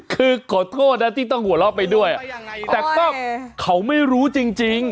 คือขอโทษนะที่ต้องหัวเราะไปด้วยแต่ก็เขาไม่รู้จริง